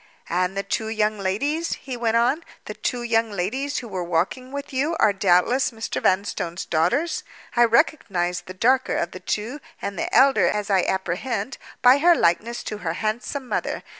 "And the two young ladies," he went on, "the two young ladies who were walking with you are doubtless Mr. Vanstone's daughters? I recognized the darker of the two, and the elder as I apprehend, by her likeness to her handsome mother.